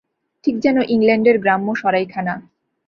ঠিক যেন ইংল্যান্ডের গ্রাম্য সরাইখানা।